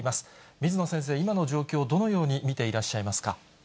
水野先生、今の状況をどのように見ていらっしゃいますか。